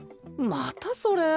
またそれ？